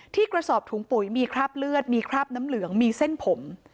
กระสอบถุงปุ๋ยมีคราบเลือดมีคราบน้ำเหลืองมีเส้นผม